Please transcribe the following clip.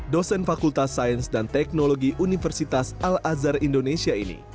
dosen fakultas sains dan teknologi universitas al azhar indonesia ini